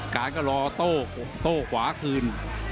การก็รอโต้โต้ขวาคืน